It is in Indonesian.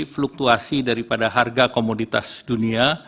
fluktuasi daripada harga komoditas dunia